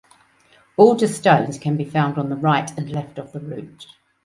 Border stones can be found on the right and left of the route.